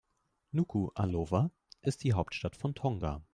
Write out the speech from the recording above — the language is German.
Nukuʻalofa ist die Hauptstadt von Tonga.